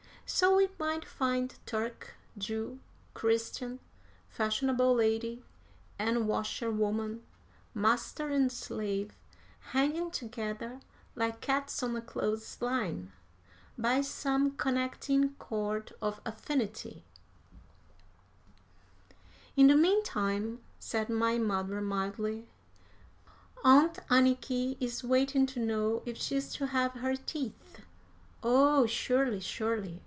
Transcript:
So we might find Turk, Jew, Christian, fashionable lady and washerwoman, master and slave, hanging together like cats on a clothes line by some connecting cord of affinity " "In the mean time," said my mother, mildly, "Aunt Anniky is waiting to know if she is to have her teeth." "Oh, surely, surely!"